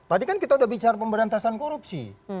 tadi kan kita udah bicara pemberantasan korupsi